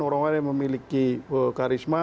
orang orang yang memiliki karisma